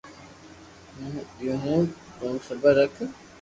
ھون ديو ھون ني سبر رک